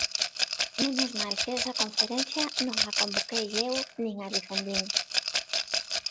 Menos mal que esa conferencia non a convoquei eu, nin a defendín.